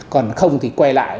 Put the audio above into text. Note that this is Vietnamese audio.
còn không thì quay lại